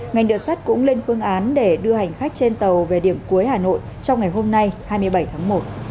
ngành đường sắt cũng lên phương án để đưa hành khách trên tàu về điểm cuối hà nội trong ngày hôm nay hai mươi bảy tháng một